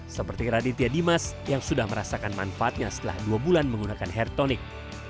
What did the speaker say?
seperti raditya dimas yang sudah merasakan manfaatnya setelah dua bulan menggunakan hair tonic